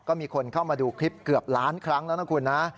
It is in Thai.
ก็มีคนเข้ามาดูคลิปเกือบล้านครั้งแล้วนะคุณนะ